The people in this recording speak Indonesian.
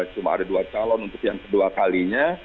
cuma ada dua calon untuk yang kedua kalinya